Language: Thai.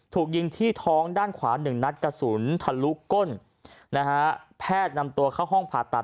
ถูกยิงที่ท้องด้านขวาหนึ่งนัดกระสุนทะลุก้นนะฮะแพทย์นำตัวเข้าห้องผ่าตัด